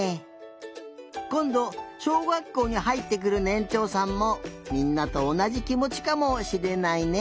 こんどしょうがっこうにはいってくるねんちょうさんもみんなとおなじきもちかもしれないね。